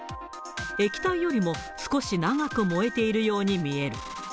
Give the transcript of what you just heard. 液体よりも少し長く燃えているように見える。